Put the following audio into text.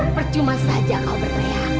percuma saja kau berteriak